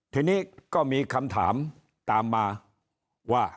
ทีนี้ก็มีคำถามตามมาว่าการลุกขึ้นมาลุยธุรกิจสีเทาในคราวนี้